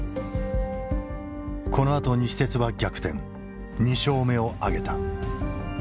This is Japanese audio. このあと西鉄は逆転２勝目を挙げた。